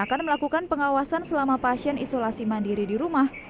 dan akan melakukan pengawasan selama pasien isolasi mandiri di rumah